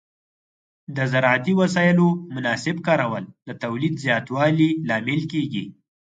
د زراعتي وسایلو مناسب کارول د تولید زیاتوالي لامل کېږي.